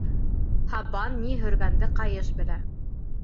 Һабан ни һөргәнде ҡайыш белә.